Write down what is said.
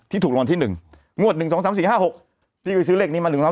ที่ถูกรางวัลที่หนึ่ง